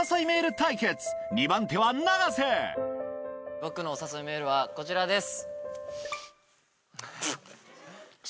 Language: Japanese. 僕のお誘いメールはこちらです。